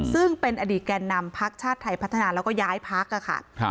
ซึ่งเป็นอดีตแก่นำพักชาติไทยพัฒนาแล้วก็ย้ายพักค่ะ